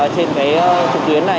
trên cái trực tuyến này